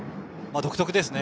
独特ですね。